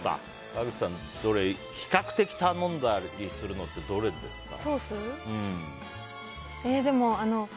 川口さんは比較的頼んだりするのどれですか？